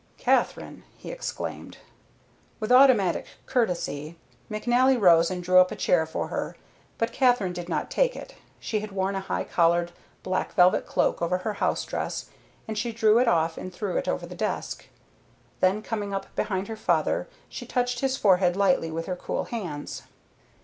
"Katherine!" he exclaimed. With automatic courtesy, McNally rose and drew up a chair for her, but Katherine did not take it. She had worn a high collared black velvet cloak over her house dress, and she drew it off and threw it over the desk. Then coming up behind her father she touched his forehead lightly with her cool hands.